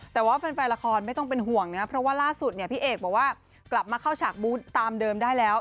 แต่ว่าแฟนละครไม่ต้องเป็นห่วงนะเพราะว่าล่าสุดเนี่ยพี่เอกบอกว่ากลับมาเข้าฉากบูธตามเดิมได้แล้ว